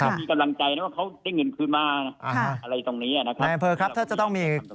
มีกำลังใจนะว่าเขาได้เงินคืนมาอะไรตรงนี้